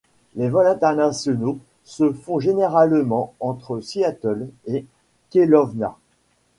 Les vols internationaux se font généralement entre Seattle et Kelowna.